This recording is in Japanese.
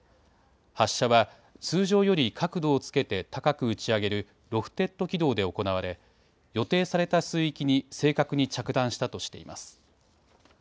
発射は通常より角度をつけて高く打ち上げるロフテッド軌道で行われ予定された水域に正確に着弾したとしています。